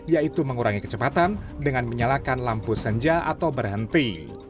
yaitu mengurangi kecepatan dengan menyalakan lampu senja atau berhenti